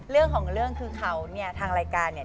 เรื่องของเรื่องคือเขาเนี่ยทางรายการเนี่ย